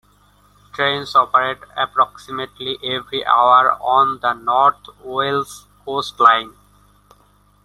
Trains operate approximately every hour on the North Wales Coast Line.